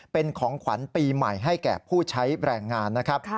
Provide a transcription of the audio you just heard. เป็นของขวัญปีใหม่ให้แก่ผู้ใช้แรงงานนะครับ